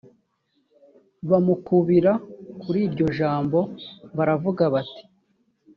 bamukubira kuri iryo jambo baravuga bati